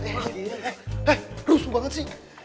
eh rusuh banget sih